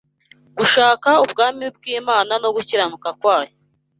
gushaka ubwami bw’Imana no gukiranuka kwayo